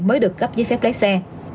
mới được cấp giấy phép lái xe